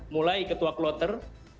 mulai ketua kloter